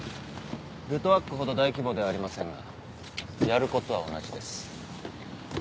ルトワックほど大規模ではありませんがやることは同じです。